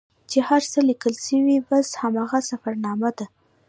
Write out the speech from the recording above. چې هر څه لیکل سوي بس همدغه سفرنامه ده.